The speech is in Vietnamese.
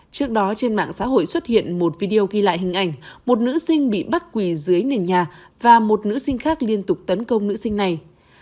trước đó trên mạng xã hội xuất hiện một video ghi lại hình ảnh một nữ sinh bị bắt quỳ dưới nền nhà và một nữ sinh khác liên tục tấn công nữ sinh này